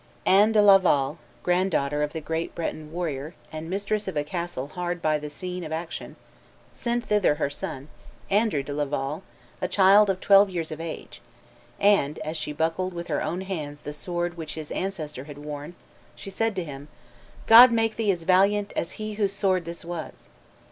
Anne de Laval, granddaughter of the great Breton warrior, and mistress of a castle hard by the scene of action, sent thither her son, Andrew de Laval, a child twelve years of age, and, as she buckled with her own hands the sword which his ancestor had worn, she said to him, "God make thee as valiant as he whose sword this was!"